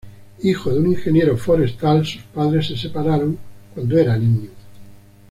Hijo de un ingeniero forestal, sus padres se separaron cuando era niño.